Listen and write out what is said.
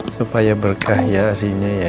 supaya berkah ya sihnya ya